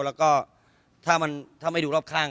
ก็คือดูรอบข้างหมดแล้วแล้วก็ถ้าไม่ดูรอบข้าง